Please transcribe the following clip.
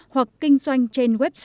hoặc kinh doanh trên website